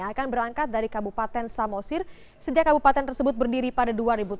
akan berangkat dari kabupaten samosir sejak kabupaten tersebut berdiri pada dua ribu tujuh belas